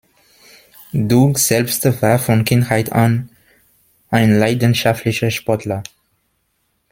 Doug selbst war von Kindheit an ein leidenschaftlicher Sportler.